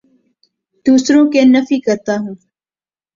دوسروں کے نفی کرتا ہوں